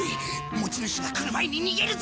持ち主が来る前に逃げるぞ！